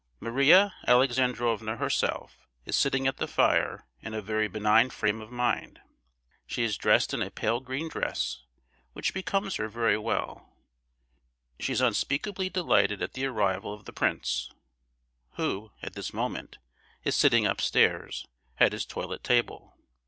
Maria Alexandrovna herself is sitting at the fire in a very benign frame of mind; she is dressed in a pale green dress, which becomes her very well; she is unspeakably delighted at the arrival of the Prince, who, at this moment, is sitting upstairs, at his toilet table.